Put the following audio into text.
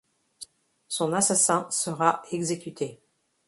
Son assassin sera exécuté.